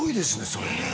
それね